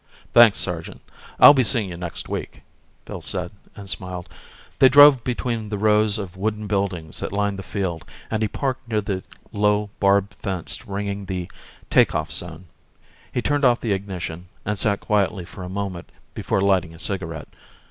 "Thanks, sergeant. I'll be seeing you next week," Phil said, and smiled. They drove between the rows of wooden buildings that lined the field, and he parked near the low barbed fence ringing the take off zone. He turned off the ignition, and sat quietly for a moment before lighting a cigarette.